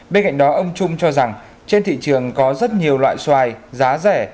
bên cạnh đó ông trung cho rằng trên thị trường có rất nhiều loại xoài giá rẻ